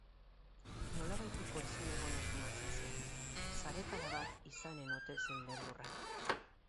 Nolabaiteko ezinegona sumatzen zen, sarekada bat izanen ote zen beldurra.